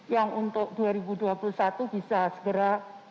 yang untuk dua ribu dua puluh satu bisa segera